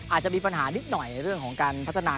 อาจจะมีปัญหานิดหน่อยเรื่องของการพัฒนา